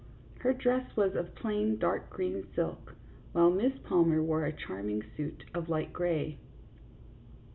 Her dress was of plain dark green silk, while Miss Palmer wore a charming suit of light gray.